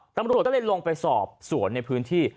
ตำรวจก็เลยลงไปสอบสวนในพื้นที่